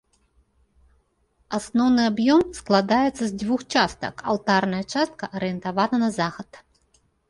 Асноўны аб'ём складаецца з дзвюх частак, алтарная частка арыентавана на захад.